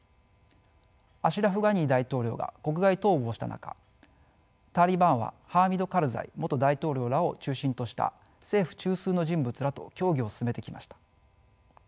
アシュラフ・ガニー大統領が国外逃亡した中タリバンはハーミド・カルザイ元大統領らを中心とした政府中枢の人物らと協議を進めてきました。